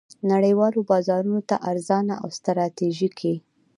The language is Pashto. نړیوالو بازارونو ته ارزانه او ستراتیژیکې